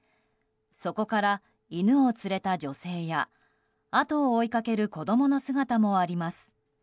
そこから犬を連れた女性や後を追いかける子供の姿もあります。